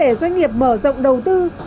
để doanh nghiệp mở rộng đầu tư